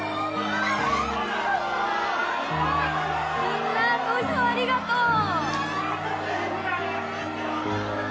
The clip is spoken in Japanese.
みんな投票ありがとう！